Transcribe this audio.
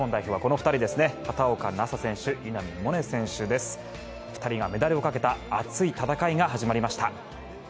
２人がメダルをかけた熱い戦いが始まりました。